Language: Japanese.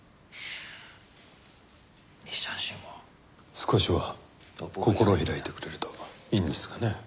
少しは心を開いてくれるといいんですがね。